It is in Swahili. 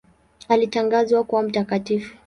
Alitangazwa kuwa mtakatifu.